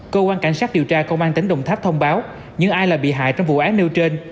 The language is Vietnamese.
cơ quan cảnh sát điều tra công an tỉnh đồng tháp thông báo những ai là bị hại trong vụ án nêu trên